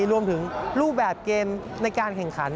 รวมถึงรูปแบบเกมในการแข่งขัน